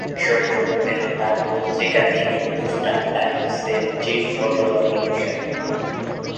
কিশোর যোগ দেন তাদের পত্রিকা দি হিন্দুস্তান টাইমসের চিফ ফটোগ্রাফার হিসেবে।